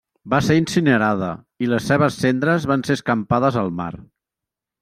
Va ser incinerada; i les seves cendres van ser escampades al mar.